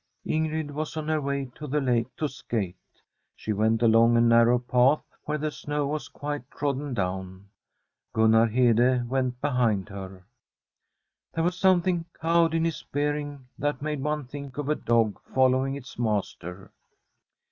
Ingrid was on her way to the lake to skate. She went along a narrow path where the snow was quite trodden down. Gunnar Hede went behind her. There was something cowed in his bearing that made one think of a dog following its master.